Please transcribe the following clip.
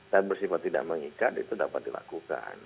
dan bersifat tidak mengikat itu dapat dilakukan